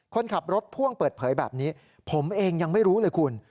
คนขับรถพ่วงเปิดเผยแบบนี้ผมเองยังไม่รู้เลยคุณ